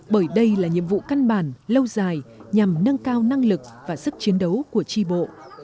bởi đây là nhiệm vụ căn bản lâu dài nhằm nâng cao năng lực và sức chiến đấu của tri bộ